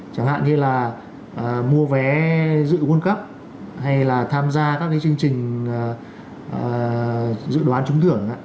chẳng hạn như là mua vé dự world cup hay là tham gia các chương trình dự đoán trúng thưởng